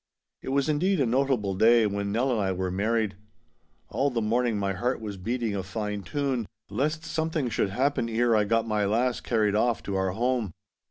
It was, indeed, a notable day when Nell and I were married. All the morning my heart was beating a fine tune, lest something should happen ere I got my lass carried off to our home.